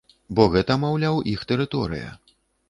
Бо гэта, маўляў, іх тэрыторыя.